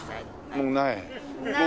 もうなえ？